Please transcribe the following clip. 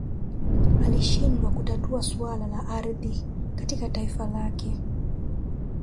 Alishindwa kutatua swala la ardhi katika taifa lake